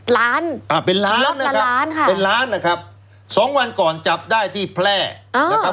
ล้านอ่าเป็นล้านล้านเป็นล้านค่ะเป็นล้านนะครับสองวันก่อนจับได้ที่แพร่นะครับ